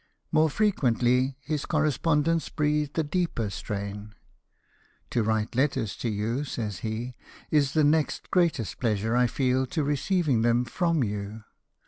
More frequently his correspondence breathed a deeper strain. " To write letters to you," says he, " is the next greatest pleasure I feel to receiving them from you.